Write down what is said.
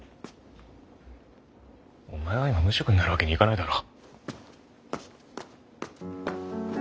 お前は今無職になるわけにはいかないだろ。